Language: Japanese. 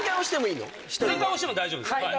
何回押しても大丈夫です。